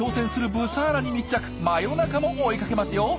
真夜中も追いかけますよ！